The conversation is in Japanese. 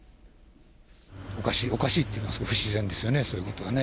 おかしい、おかしいっていいますか、不自然ですよね、そういうことはね。